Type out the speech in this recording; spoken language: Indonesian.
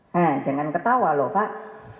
hah jangan ketawa lho pak